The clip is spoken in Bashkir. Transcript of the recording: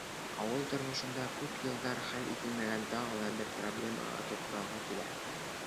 Ауыл тормошонда күп йылдар хәл ителмәгән тағы ла бер проблемаға туҡталғы килә.